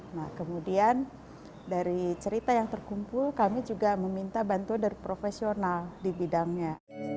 nah kemudian dari cerita yang terkumpul kami juga meminta bantuan dari profesional di bidangnya